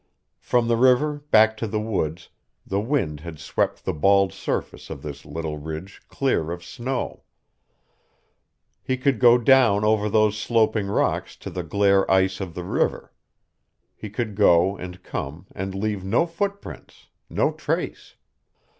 From the river back to the woods the wind had swept the bald surface of this little ridge clear of snow. He could go down over those sloping rocks to the glare ice of the river. He could go and come and leave no footprints, no trace.